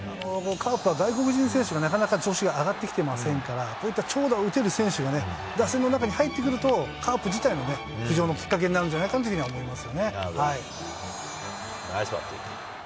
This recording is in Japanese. カープは外国人選手がなかなか調子が上がってきてませんから、こういった長打を打てる選手がね、打線の中に入ってくると、カープ自体も浮上のきっかけになるんじゃないかなというふうに思ナイスバッティング。